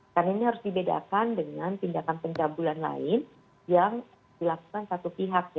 karena ini harus dibedakan dengan tindakan pencabulan lain yang dilakukan satu pihak